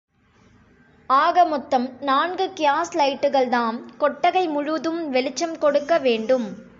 ஆக மொத்தம் நான்கு கியாஸ் லைட்டுகள் தாம் கொட்டகை முழுதும் வெளிச்சம் கொடுக்க வேண்டும்.